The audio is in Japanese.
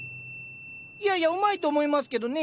いやいやうまいと思いますけどね。